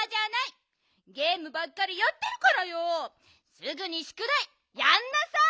すぐにしゅくだいやんなさい！